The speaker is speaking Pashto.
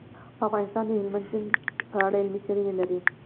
افغانستان د هلمند سیند په اړه علمي څېړنې لري.